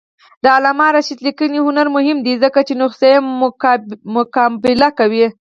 د علامه رشاد لیکنی هنر مهم دی ځکه چې نسخو مقابله کوي.